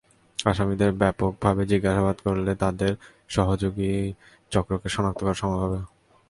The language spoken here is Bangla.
আসামিদের ব্যাপকভাবে জিজ্ঞাসাবাদ করলে তাঁদের সহযোগী চক্রকে শনাক্ত করা সম্ভব হবে।